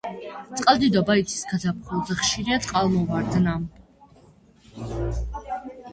წყალდიდობა იცის გაზაფხულზე, ხშირია წყალმოვარდნა.